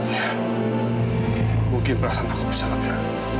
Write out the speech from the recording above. ya mungkin perasaan aku bisa lega